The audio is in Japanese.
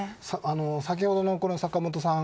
先ほどの坂元さん